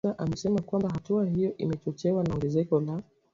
Bain Omugisa amesema kwamba hatua hiyo imechochewa na ongezeko la